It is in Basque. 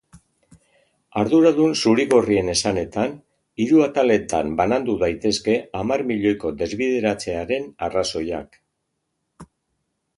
Arduradun zurigorrien esanetan hiru ataletan banandu daitezke hamar milioiko desbideratzearen arrazoiak.